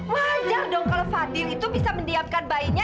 wajar dong kalau fadil itu bisa mendiamkan bayinya